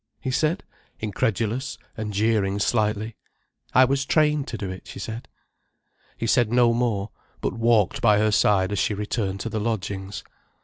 he said, incredulous, and jeering slightly. "I was trained to do it," she said. He said no more, but walked by her side as she returned to the lodgings.